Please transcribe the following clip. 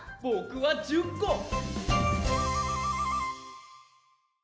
僕は１０個。